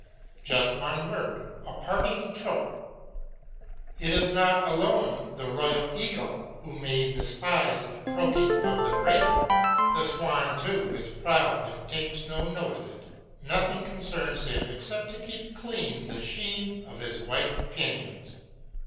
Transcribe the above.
Just one word, a parting trope: It is not alone the royal eagle who may despise the croaking of the raven; the swan, too, is proud and takes no note of it. Nothing concerns him except to keep clean the sheen of his white pinions.